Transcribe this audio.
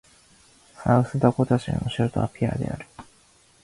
サウスダコタ州の州都はピアである